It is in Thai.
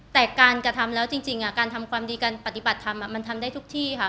แต่การกระทำแล้วจริงการทำความดีการปฏิบัติธรรมมันทำได้ทุกที่ค่ะ